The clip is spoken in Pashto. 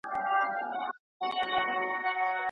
ستا په لار کي مي اوبه کړل په تڼاکو رباتونه